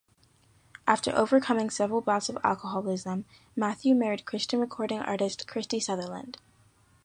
After overcoming several bouts of alcoholism, Matthew married Christian recording artist Christy Sutherland.